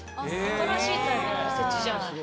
新しいタイプのおせちじゃない。